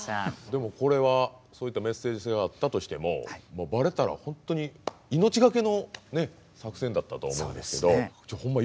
でもこれはそういったメッセージ性があったとしてもバレたら本当に命懸けの作戦だったと思うんですけどほんま